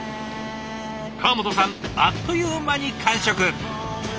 川本さんあっという間に完食。